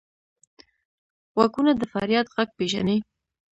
غوږونه د فریاد غږ پېژني